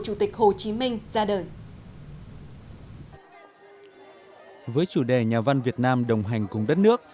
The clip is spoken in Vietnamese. chủ tịch hồ chí minh ra đời với chủ đề nhà văn việt nam đồng hành cùng đất nước